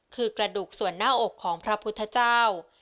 คือกระดูกส่วนหน้าอกของพระพุทธเจ้า